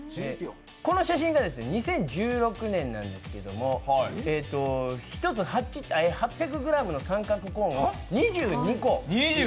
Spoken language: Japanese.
この写真が２０１６年なんですけれど１つ８００ｇの三角コーンを２２個。